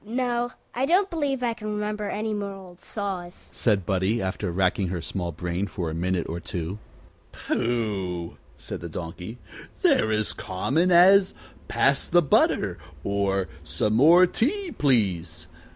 "No; I don't believe I can remember any more old saws," said Buddie, after racking her small brain for a minute or two. "Pooh!" said the Donkey. "They're as common as, Pass the butter, or, Some more tea, please.